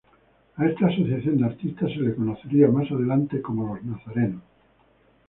A esta asociación de artistas se le conocería, más adelante, como nazarenos.